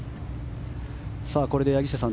これで柳下さん